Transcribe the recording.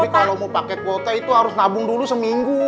tapi kalau mau pakai kuota itu harus nabung dulu seminggu